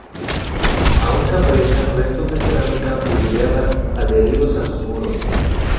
Aún se aprecian restos de cerámica vidriada adheridos a sus muros.